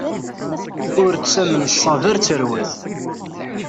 Ur ttamen ṣṣaba ar terwet!